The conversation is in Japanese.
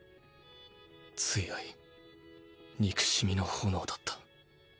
強い憎しみの炎だった。